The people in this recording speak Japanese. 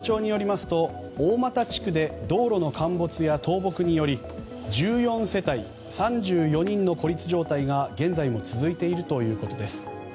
鹿児島県さつま町によりますと大俣地区で道路の陥没や倒木により１４世帯３４人の孤立状態が現在も続いているということです。